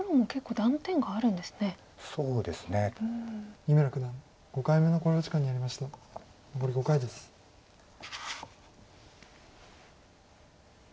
残り５回です。